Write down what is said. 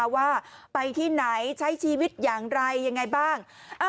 ว่าไปที่ไหนใช้ชีวิตอย่างไรยังไงบ้าง